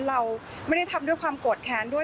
เราไม่ได้ทำด้วยความโกรธแค้นด้วย